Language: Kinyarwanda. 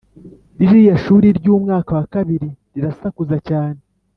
ririya shuri ryumwaka wa kabiri rirasakuza cyane